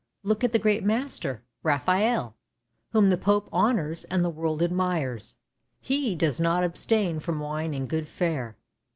Look at the great master, Raphael, whom the Pope honours and the world admires: he does not abstain from wine and good fare."